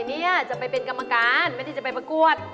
เนี่ยจะไปเป็นกรรมการไม่ได้จะไปประกวด